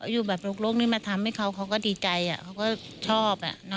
อยู่แบบโลกนี้มาทำให้เขาเขาก็ดีใจเขาก็ชอบ